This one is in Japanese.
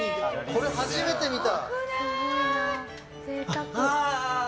これ初めて見た！